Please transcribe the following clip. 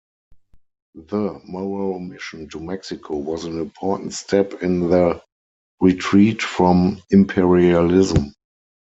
The Morrow Mission to Mexico was an "important step in the 'retreat from imperialism'".